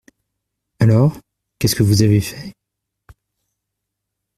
Alors, qu'est-ce que vous avez fait ?